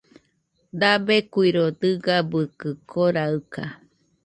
Dabeikuiro dɨgabɨkɨ koraɨka